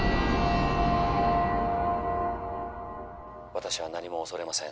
私は何も恐れません。